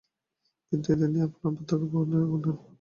বৃদ্ধ এদের নিয়ে আপনার বার্ধক্যের অপরাহ্নকে নানা রঙে রঙিন করে তুলেছেন।